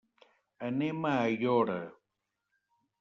Anem a Aiora.